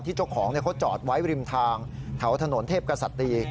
ที่เจ้าของก็จอดไว้ริมทางเถาถนนเทพกษะตี